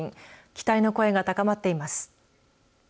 期待の声が高まっています。